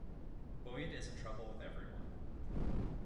Boyd is in trouble with everyone.